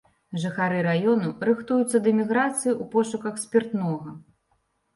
Жыхары рэгіёну рыхтуюцца да міграцыі ў пошуках спіртнога.